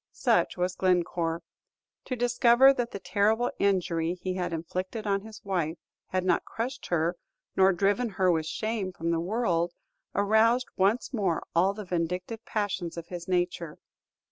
Such was Glencore. To discover that the terrible injury he had inflicted on his wife had not crushed her nor driven her with shame from the world, aroused once more all the vindictive passions of his nature.